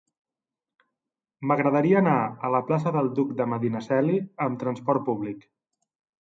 M'agradaria anar a la plaça del Duc de Medinaceli amb trasport públic.